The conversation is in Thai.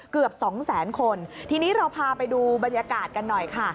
เกือบสองแสนคนทีนี้เราพาไปดูบรรยากาศกันหน่อยค่ะ